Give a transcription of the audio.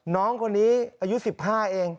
น้องคนนี้อายุ๑๕เอง